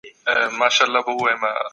تیښته له مسؤلیت څخه مه کوئ.